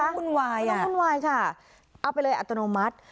ไม่ต้องหุ้นวายไม่ต้องหุ้นวายค่ะเอาไปเลยอัตโนมัติ